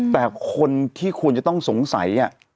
แต่คนที่ควรจะต้องสงสัย